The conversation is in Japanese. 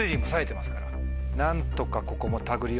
何とかここも。